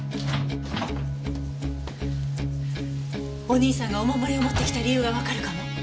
お兄さんがお守りを持って来た理由がわかるかも。